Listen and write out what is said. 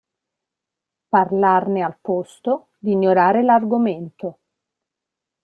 Parlarne al posto di ignorare l'argomento.